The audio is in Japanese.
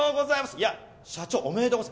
いや社長おめでとうございます。